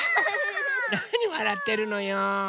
なにわらってるのよ。